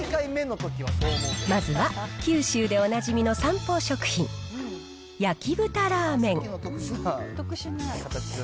まずは、九州でおなじみのサンポー食品、焼豚ラーメン。